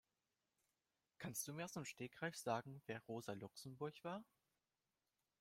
Kannst du mir aus dem Stegreif sagen, wer Rosa Luxemburg war?